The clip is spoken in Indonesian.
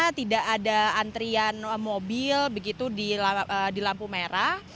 karena tidak ada antrian mobil begitu di lampu merah